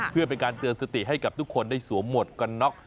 ทั้งไปการเตือนสติให้ทุกคนได้สวมหมดกันน็อก